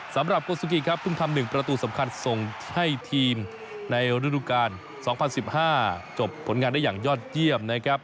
สำหรับโกสุกิครับเพิ่งทำ๑ประตูสำคัญส่งให้ทีมในฤดูกาล๒๐๑๕จบผลงานได้อย่างยอดเยี่ยมนะครับ